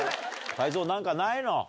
泰造何かないの？